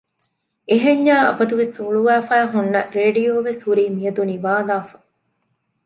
އެހެންޏާ އަބަދުވެސް ހުޅުވާފައި ހުންނަ ރެޑިޔޯވެސް ހުރީ މިއަދު ނިވާލާފަ